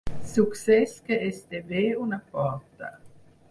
Succés que esdevé una porta.